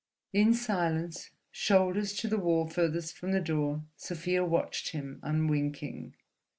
In silence, shoulders to the wall farthest from the door, Sofia watched him unwinking.